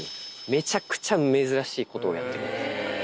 めちゃくちゃ珍しいことをやってるんですよ。